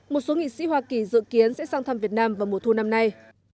một số nghị sĩ hoa kỳ dự kiến sẽ sang thăm việt nam vào mùa thu năm nay